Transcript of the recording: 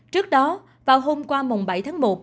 trước đó vào hôm qua mùng bảy tháng một